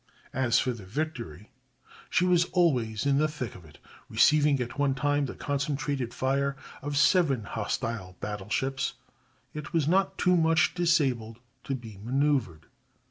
As for the Victory, she was always in the thick of it, receiving at one time the concentrated fire of seven hostile battle ships, yet was not too much disabled to be manœuvered.